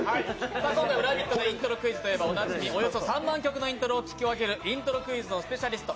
今回は「ラヴィット！」のイントロクイズといえばおなじみおよそ３万曲のイントロを聞き分けるイントロクイズのスペシャリスト